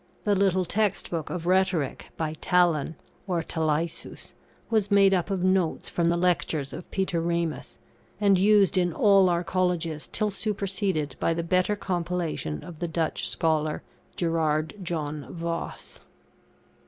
The little text book of Rhetoric, by Talon or Talaeus, was made up of notes from the Lectures of Peter Ramus, and used in all our Colleges till superseded by the better compilation of the Dutch scholar, Gerard John Voss.